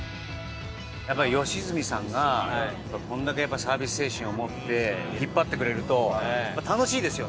やっぱり良純さんがこれだけサービス精神を持って引っ張ってくれると楽しいですよね。